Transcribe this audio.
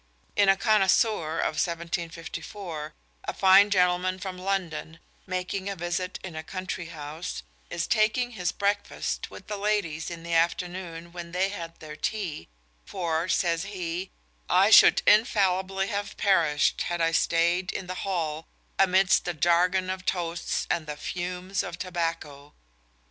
In a Connoisseur of 1754 a fine gentleman from London, making a visit in a country house, is taking his breakfast with the ladies in the afternoon, when they had their tea, for, says he, "I should infallibly have perished, had I staied in the hall, amidst the jargon of toasts and the fumes of tobacco."